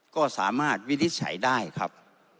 ก็สามารถวินิจฉัยได้ครับ